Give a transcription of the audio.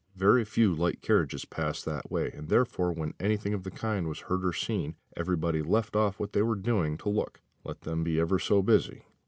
Very few light carriages passed that way, and therefore when anything of the kind was heard or seen, everybody left off what they were doing to look, let them be ever so busy.